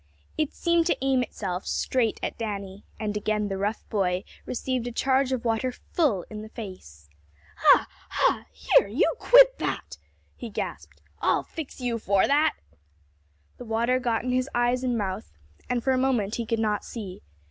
It seemed to aim itself straight at Danny, and again the rough boy received a charge of water full in the face. "Ha! ha! here! You quit that!" he gasped. "I'll fix you for that!" The water got in his eyes and mouth, and for a moment he could not see.